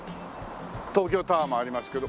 東京タワーもありますけど。